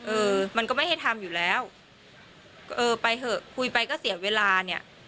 เออมันก็ไม่ให้ทำอยู่แล้วก็เออไปเถอะคุยไปก็เสียเวลาเนี่ย